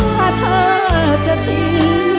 ถ้าเธอจะทิ้ง